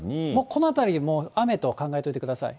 このあたりにもう雨と考えておいてください。